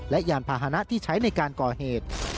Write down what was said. และยานพาหนะที่ใช้ในการก่อเหตุ